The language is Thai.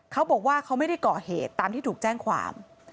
เขาบอกว่าเขาไม่ได้ก่อเหตุตามที่ถูกแจ้งความ